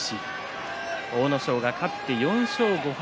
阿武咲が勝って４勝５敗。